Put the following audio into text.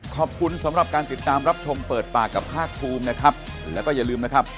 ขอบคุณสำหรับการติดตามรับชมเปิดปากกับภาคภูมินะครับแล้วก็อย่าลืมนะครับ